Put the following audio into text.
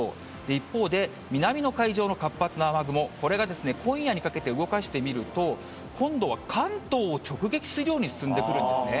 一方で、南の海上の活発な雨雲、これがですね、今夜にかけて動かしてみると、今度は関東を直撃するように進んでくるんですね。